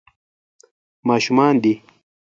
ماشومان دي.